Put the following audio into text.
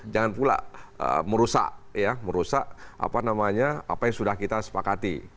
jangan pula merusak apa yang sudah kita sepakati